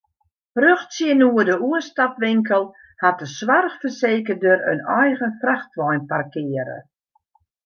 Rjocht tsjinoer de oerstapwinkel hat de soarchfersekerder in eigen frachtwein parkearre.